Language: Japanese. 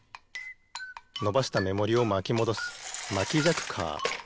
のばしためもりをまきもどすまきじゃくカー。